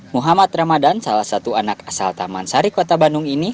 muhammad ramadan salah satu anak asal taman sari kota bandung ini